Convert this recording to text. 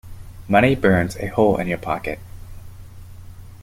Money burns a hole in your pocket.